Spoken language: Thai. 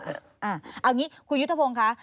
เอาอย่างนี้คุณยุทธพงศ์คะ